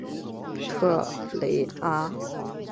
特雷阿。